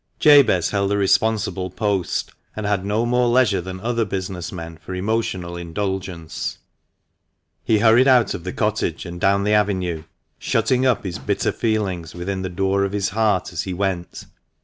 TABEZ held a responsible post, and had no more leisure than other business men for emotional indulgence. He hurried out of the cottage, and down the avenue, shutting up his bitter feelings within the door of his heart as he went.